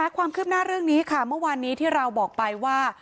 ความคืบหน้าเรื่องนี้ค่ะเมื่อวานนี้ที่เราบอกไปว่า